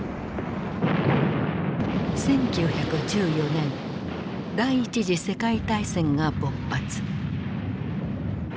１９１４年第一次世界大戦が勃発。